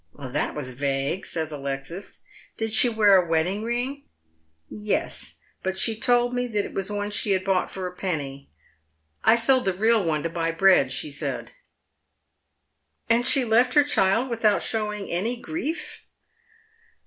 "•• That was vague," says Alexis. " Did she wear a wedding ring?" " Yes, but she told me that it was one she had bought for a penny. ' I sold the real one to buy bread,' she said." "And she left her child without showing any grief?